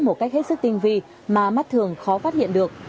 một cách hết sức tinh vi mà mắt thường khó phát hiện được